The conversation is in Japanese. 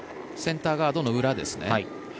センターガードの裏ですね。